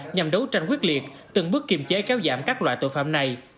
nhằm đấu tranh quyết liệt từng bước kiềm chế kéo giảm các loại tội phạm này